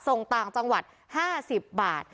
ส่งต่างจังหวัด๕๐บาท